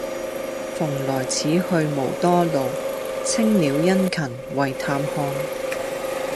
蓬萊此去無多路，青鳥殷勤為探看。